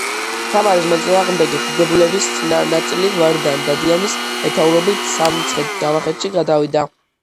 თამარის მოწინააღმდეგე დიდებულების ნაწილი ვარდან დადიანის მეთაურობით სამცხე-ჯავახეთში გადავიდა.